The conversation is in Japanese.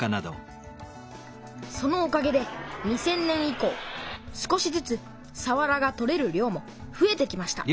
そのおかげで２０００年以こう少しずつさわらが取れる量もふえてきました